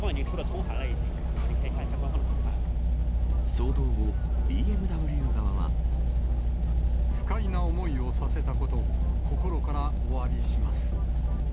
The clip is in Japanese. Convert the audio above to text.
騒動後、不快な思いをさせたことを心からおわびします。